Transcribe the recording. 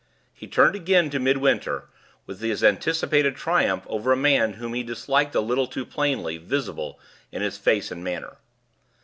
He turned again to Midwinter, with his anticipated triumph over a man whom he disliked a little too plainly visible in his face and manner.